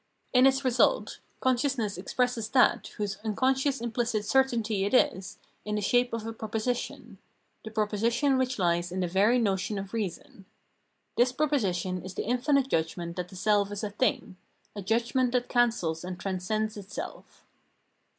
In its result, consciousness expresses that, whose unconscious implicit certainty it is, in the shape of a proposition —■ the proposition which lies in the very notion of reason. This proposition is the infinite judgment that the self is a thing — a judgment that cancels and transcends itself.